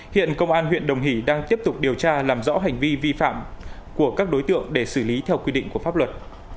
hiện công an huyện đồng hỷ đang tiếp tục điều tra làm rõ hành vi vi phạm của các đối tượng để xử lý theo quy định của pháp luật